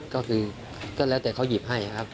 ก็คือก็แล้วแต่เขาหยิบให้ครับ